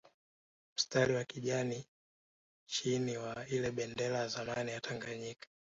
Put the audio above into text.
Mstari wa kijani chini wa ile bendera ya zamani ya Tanganyika